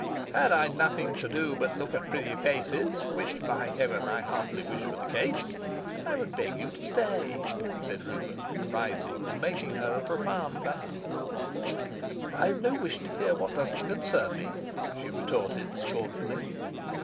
"Had I nothing to do but to look at pretty faces which, by Heaven, I wish heartily were the case I would beg you to stay," said Rupert, rising and making her a profound bow. "I've no wish to hear what doesn't concern me," she retorted scornfully.